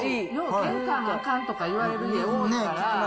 玄関はあかんとか言われる家多いから。